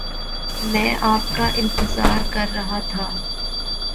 میں آپ کا انتظار کر رہا تھا۔